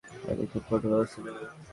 আমি খুব কঠোর ব্যবস্থা নেব।